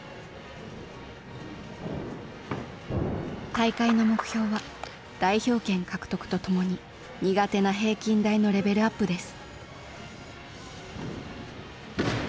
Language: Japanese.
大会の目標は代表権獲得とともに苦手な平均台のレベルアップです。